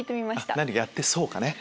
何やってそうかね。